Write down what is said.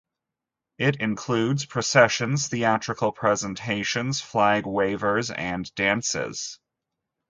It includes processions, theatrical presentations, flag-wavers and dances.